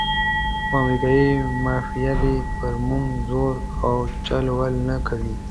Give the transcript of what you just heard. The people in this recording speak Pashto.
خو امریکایي مافیا دې پر موږ زور او چل ول نه کوي.